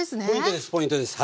ポイントです